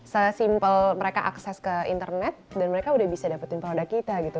sesimpel mereka akses ke internet dan mereka udah bisa dapetin produk kita gitu